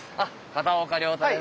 片岡亮太です。